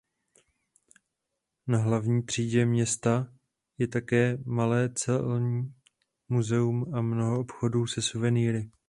Na hlavní třídě města je také malé celní muzeum a mnoho obchodů se suvenýry.